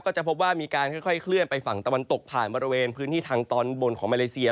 จะพบว่ามีการค่อยเคลื่อนไปฝั่งตะวันตกผ่านบริเวณพื้นที่ทางตอนบนของมาเลเซีย